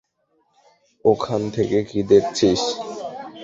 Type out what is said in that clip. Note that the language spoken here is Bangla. ওখান থেকে কী দেখছিস?